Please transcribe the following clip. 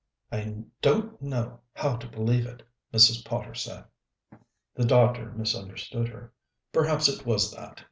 "I don't know how to believe it," Mrs. Potter said. The doctor misunderstood her. "Perhaps it was that.